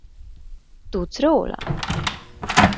Tudsz róla?